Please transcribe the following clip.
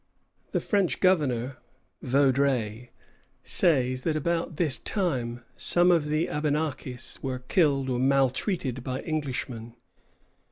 The French governor, Vaudreuil, says that about this time some of the Abenakis were killed or maltreated by Englishmen.